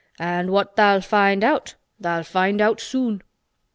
An' what tha'll find out tha'll find out soon."